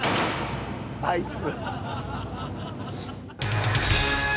あいつ。